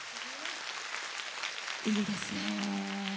いいですね。